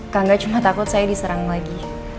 kangga cuma takut saya diserang lagi